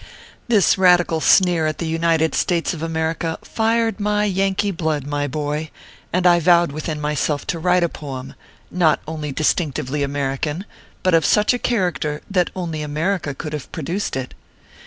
This radical sneer at the United States of America fired my Yankee blood, my boy, and I vowed within myself to write a poem, not only distinctively Amer ican, but of such a character that only America could have produced it.